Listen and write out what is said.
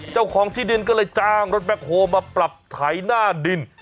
เจ้าของที่ดินก็เลยจ้างรถแบ็คโฮมาปรับไถหน้าดิน